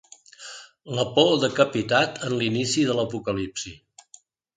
Lapó decapitat en l'inici de l'Apocalipsi.